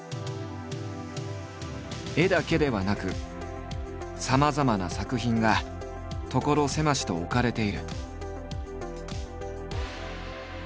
絵だけではなくさまざまな作品が所狭しと置かれている。